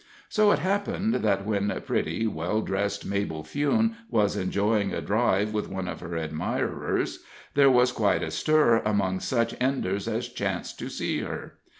So it happened that, when pretty, well dressed Mabel Fewne was enjoying a drive with one of her admirers, there was quite a stir among such Enders as chanced to see her.